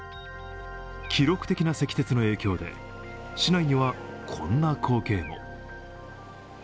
記録的な積雪の影響で市内にはこんな光景も。